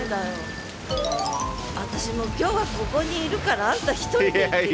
私もう今日はここにいるからあんた一人で行ってきて。